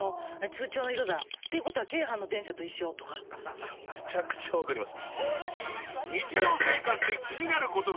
いやもうめちゃくちゃ分かります。